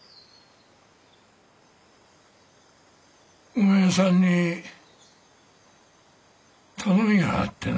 おめえさんに頼みがあってな。